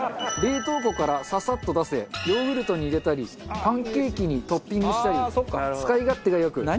冷凍庫からささっと出せヨーグルトに入れたりパンケーキにトッピングしたり使い勝手が良く。